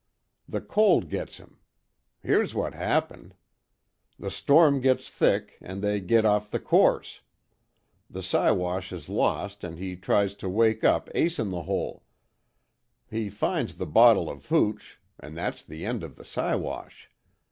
The cold gits him. Here's what happened. The storm gits thick, an' they git off the course. The Siwash is lost an' he tries to wake up Ace In The Hole. He finds the bottle of hooch and that's the end of the Siwash.